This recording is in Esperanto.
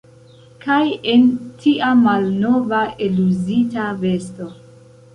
Kaj en tia malnova, eluzita vesto!